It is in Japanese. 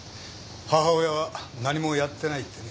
母親は何もやってないってね。